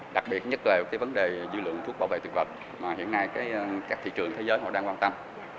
đặc biệt nhất là cái vấn đề dư lượng thuốc bảo vệ thực vật mà hiện nay các thị trường thế giới họ đang quan tâm